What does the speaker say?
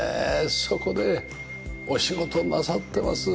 そこでお仕事なさってます。